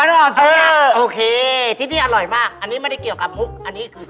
อ้อแตกแล้วไม่เอา